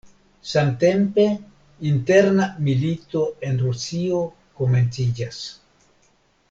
Samtempe, interna milito en Rusio komenciĝas.